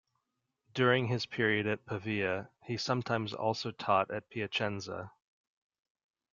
During his period at Pavia he sometimes also taught at Piacenza.